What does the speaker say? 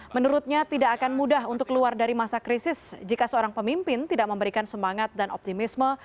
menurutnya tidak akan mudah untuk keluar dari masa krisis jika seorang pemimpin tidak memberikan semangat dan optimisme